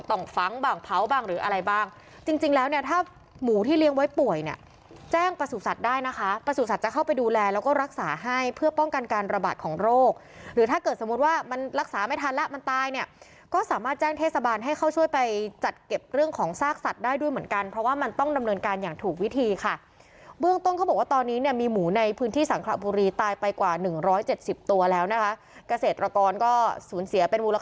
ต่อฝังบางเผาบางหรืออะไรบ้างจริงจริงแล้วเนี่ยถ้าหมูที่เลี้ยงไว้ป่วยเนี่ยแจ้งประสูรสัตว์ได้นะคะประสูรสัตว์จะเข้าไปดูแลแล้วก็รักษาให้เพื่อป้องกันการระบาดของโรคหรือถ้าเกิดสมมติว่ามันรักษาไม่ทันแล้วมันตายเนี่ยก็สามารถแจ้งเทศบาลให้เข้าช่วยไปจัดเก็บเรื่องของซากสัตว์ได้ด้วยเหมื